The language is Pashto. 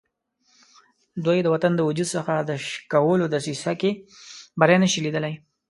دوی د وطن د وجود څخه د شکولو دسیسه کې بری نه شي لیدلای.